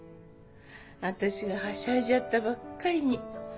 私がはしゃいじゃったばっかりに。